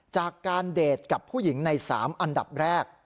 จากการเดทกับผู้หญิงใน๓อันดับแรก